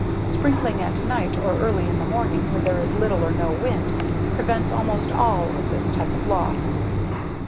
Sprinkling at night or early in the morning, when there is little or no wind, prevents almost all of this type of loss.